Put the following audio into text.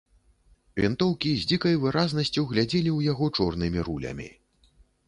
Вінтоўкі з дзікай выразнасцю глядзелі ў яго чорнымі рулямі.